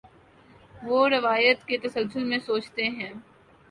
وہ روایت کے تسلسل میں سوچتے ہیں۔